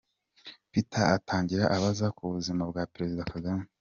Peter atangira abaza ku buzima bwa Perezida Kagame.